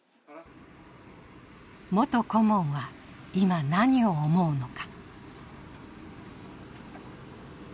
元顧問は今何を思うのか。